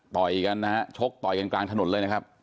กันนะฮะชกต่อยกันกลางถนนเลยนะครับ